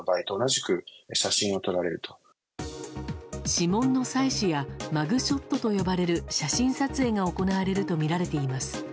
指紋の採取やマグショットと呼ばれる写真撮影が行われるとみられています。